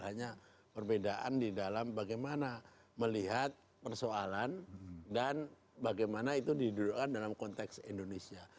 hanya perbedaan di dalam bagaimana melihat persoalan dan bagaimana itu didudukkan dalam konteks indonesia